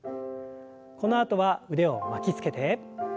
このあとは腕を巻きつけて。